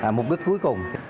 mục đích cuối cùng